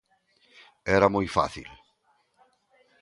Era moi fácil.